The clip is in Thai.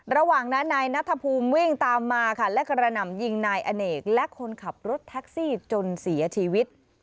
ระหว่างนั้นนายนัทภูมิวิ่งตามมาค่ะและกระหน่ำยิงนายอเนกและคนขับรถแท็กซี่จนเสียชีวิต